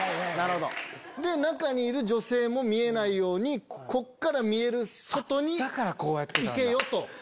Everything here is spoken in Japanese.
で中にいる女性も見えないようにこっから見える外に行けよ！と。